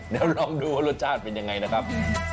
เดี๋ยวลองดูว่ารสชาติเป็นยังไงนะครับ